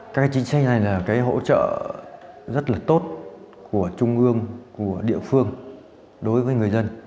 các chính sách này là cái hỗ trợ rất là tốt của trung ương của địa phương đối với người dân